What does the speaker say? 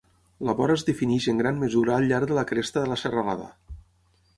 La vora es defineix en gran mesura al llarg de la cresta de la serralada.